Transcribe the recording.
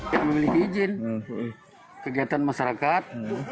tidak memiliki izin kegiatan masyarakat